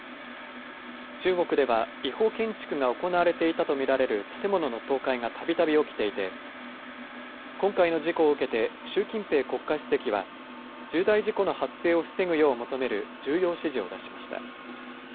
中国では違法建築が行われていたと見られる建物の倒壊がたびたび起きていて今回の事故を受けて習近平国家主席は重大事故の発生を防ぐよう求める重要指示を出しました。